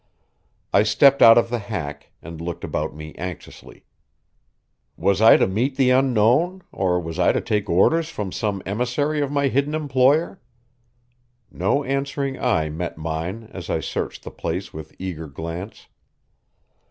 I stepped out of the hack, and looked about me anxiously. Was I to meet the Unknown? or was I to take orders from some emissary of my hidden employer? No answering eye met mine as I searched the place with eager glance.